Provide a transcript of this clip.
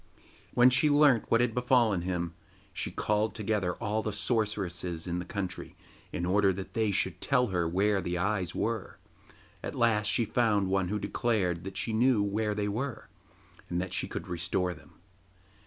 When she learnt what had befallen him she called together all the sorceresses in the country in order that they should tell her where the eyes were. At last she found one who declared that she knew where they were, and that she could restore them.